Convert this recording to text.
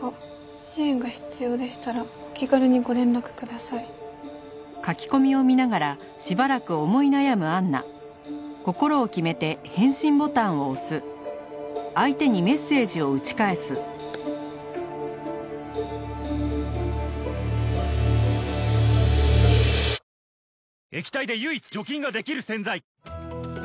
「支援が必要でしたらお気軽にご連絡ください」うわひどくなった！